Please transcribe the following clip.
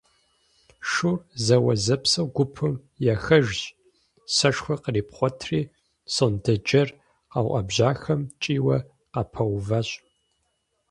Шур зэуэзэпсэу гупым яхэжщ, сэшхуэр кърипхъуэтри, сондэджэр къэуӀэбжьахэм кӀийуэ къапэуващ.